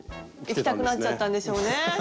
いきたくなっちゃったんでしょうね。